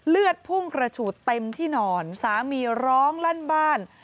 เลือดพุ่งกระฉูดเต็มที่นอนสามีร้องลั่นบ้าน